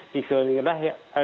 di seluruh negara